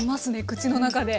口の中で。